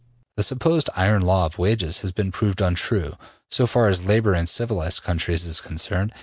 The supposed iron law of wages has been proved untrue, so far as labor in civilized countries is concerned.